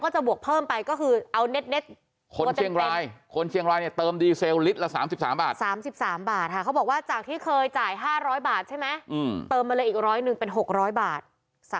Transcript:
สักขาประจำที่เขาเติมกันบ่อยอ่ะ